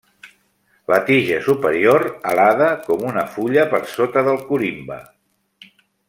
La tija superior alada com una fulla per sota del corimbe.